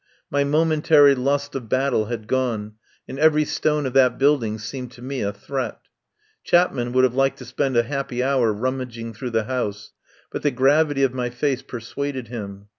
My momentary lust of battle had gone, and every stone of that building seemed to me a threat. Chapman would have liked to spend a happy hour rummaging through the house, but the gravity of my face persuaded him.